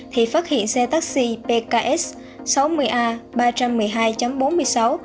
thì phát hiện xe taxi pks sáu mươi a ba trăm một mươi hai bốn mươi sáu